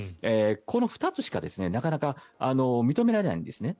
この２つしかなかなか認められないんですね。